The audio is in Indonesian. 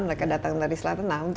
mereka datang dari selatan